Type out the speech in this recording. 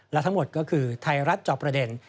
และทั้งหมดก็คือไทยรัฐจอบประเด็น